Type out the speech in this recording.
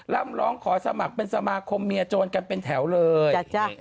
่ำร้องขอสมัครเป็นสมาคมเมียโจรกันเป็นแถวเลย